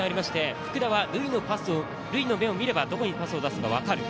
福田は塁の目を見れば、どこにパスを出すか分かる。